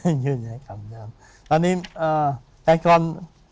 ยังยืนอย่างคำเดิม